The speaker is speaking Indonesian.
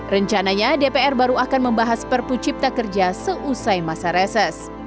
rencananya dpr baru akan membahas perpu cipta kerja seusai masa reses